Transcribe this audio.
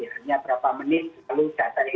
hanya berapa menit lalu data ini